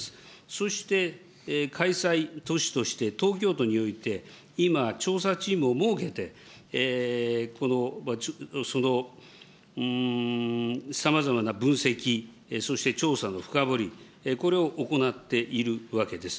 そして、開催都市として、東京都において、今、調査チームを設けて、さまざまな分析、そして調査の深掘り、これを行っているわけです。